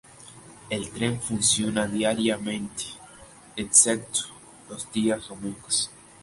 El tren funciona diariamente excepto los días domingos.